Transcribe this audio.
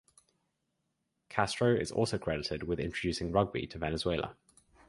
Castro is also credited with introducing rugby to Venezuela.